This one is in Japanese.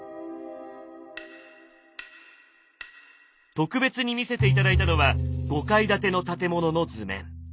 特別に見せて頂いたのは５階建ての建物の図面。